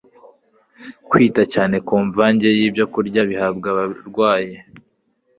kwita cyane ku mvange yibyokurya bihabwa abarwayi